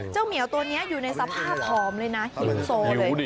เหมียวตัวนี้อยู่ในสภาพผอมเลยนะหิวโซเลย